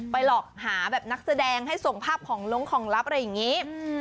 หลอกหาแบบนักแสดงให้ส่งภาพของลงของลับอะไรอย่างนี้